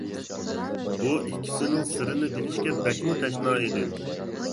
بۇ ئىككىسىنىڭ سىرىنى بىلىشكە بەكمۇ تەشنا ئىدىم.